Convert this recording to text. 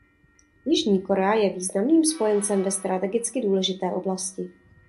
Jižní Korea je významným spojencem ve strategicky důležité oblasti.